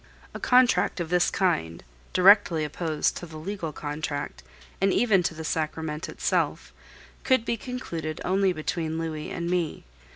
A contract of this kind, directly opposed to the legal contract, and even to the sacrament itself, could be concluded only between Louis and me.